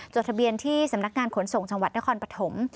จดทะเบียนที่สำนักงานขนส่งจังหวัดนครปฐม